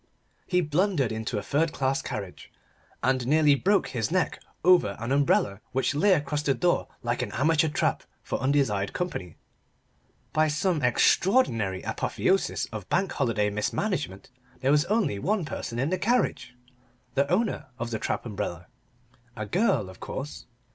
He blundered into a third class carriage, and nearly broke his neck over an umbrella which lay across the door like an amateur trap for undesired company. By some extraordinary apotheosis of Bank Holiday mismanagement, there was only one person in the carriage the owner of the trap umbrella. A girl, of course.